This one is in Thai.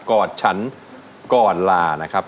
อดฉันก่อนลานะครับ